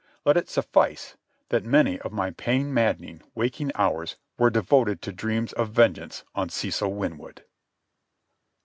Let it suffice that many of my pain maddening waking hours were devoted to dreams of vengeance on Cecil Winwood.